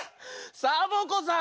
サボ子さん！